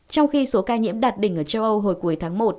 trong khi số ca nhiễm đạt đỉnh ở châu âu hồi cuối tháng một